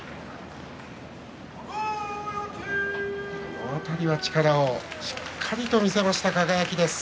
この辺りは力をしっかりと見せました輝です。